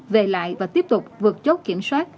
về lại và tiếp tục vượt chốt kiểm soát